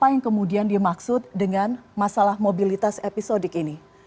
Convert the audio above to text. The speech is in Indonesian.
ratu mengatakan bahwa dia tidak memiliki maksud dengan masalah mobilitas episodik ini